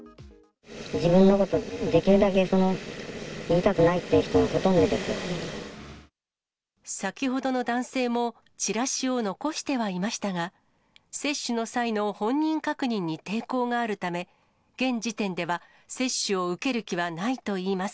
自分のことをできるだけ言いたくないっていう人がほとんどで先ほどの男性も、チラシを残してはいましたが、接種の際の本人確認に抵抗があるため、現時点では接種を受ける気はないといいます。